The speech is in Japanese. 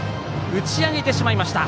打ち上げてしまいました。